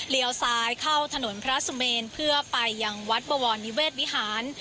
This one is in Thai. ซ้ายเข้าถนนพระสุเมนเพื่อไปยังวัดบวรนิเวศวิหาร